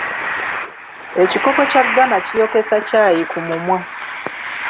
Ekikopo kya ggama kiyokesa ccayi ku mumwa.